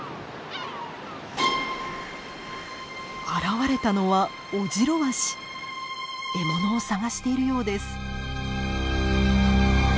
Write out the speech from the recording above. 現れたのは獲物を探しているようです。